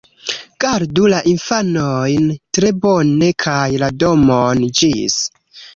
Gardu la infanojn tre bone, kaj la domon! Ĝis!